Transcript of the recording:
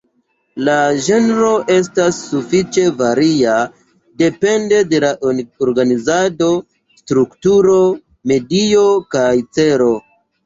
La ĝenro estas sufiĉe varia, depende de la organizado, strukturo, medio kaj celo.